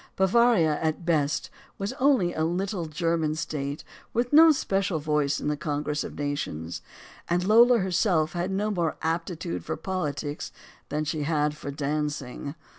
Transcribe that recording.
Bavaria, at bes<:, was only a little German state with no special voice in the congress of nations. And Lola her self had no more aptitude for politics than she had for dancing.